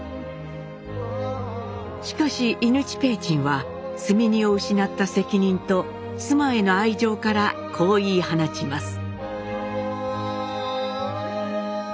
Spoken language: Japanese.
しかし伊貫親雲上は積み荷を失った責任と妻への愛情からこう言い放ちます。